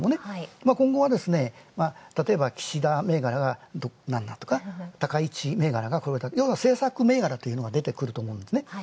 今後は、たとえば、岸田銘柄がなんだとか高市銘柄がとか政策銘柄というのが出てくると思うんですね。